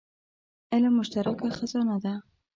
علم مشترکه خزانه ده.